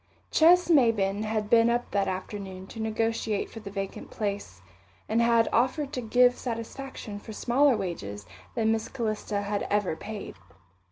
Ches Maybin had been up that afternoon to negotiate for the vacant place, and had offered to give satisfaction for smaller wages than Miss Calista had ever paid.